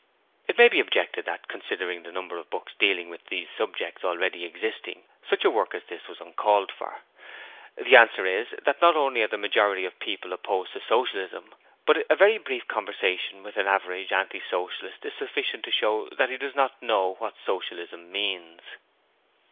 It may be objected that, considering the number of books dealing with these subjects already existing, such a work as this was uncalled for. The answer is that not only are the majority of people opposed to Socialism, but a very brief conversation with an average anti socialist is sufficient to show that he does not know what Socialism means.